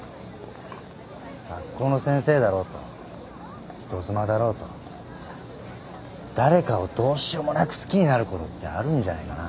学校の先生だろうと人妻だろうと誰かをどうしようもなく好きになることってあるんじゃないかな？